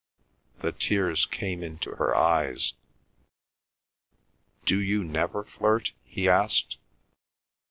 The tears came into her eyes. "Do you never flirt?" he asked.